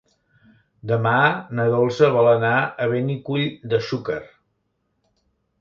Demà na Dolça vol anar a Benicull de Xúquer.